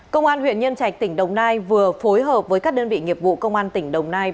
công an huyện nhân trạch tỉnh đồng nai vừa phối hợp với các đơn vị nghiệp vụ công an tỉnh đồng nai